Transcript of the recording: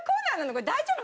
これ大丈夫？